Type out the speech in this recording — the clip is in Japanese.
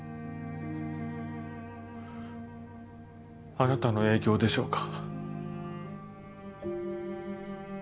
あなたの影響でしょうか？